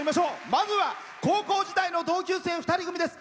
まずは高校時代の同級生２人組です。